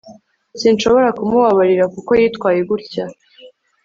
sinshobora kumubabarira kuko yitwaye gutya